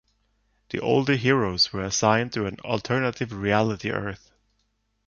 The older heroes were assigned to an alternative reality earth.